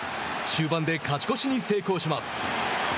終盤で勝ち越しに成功します。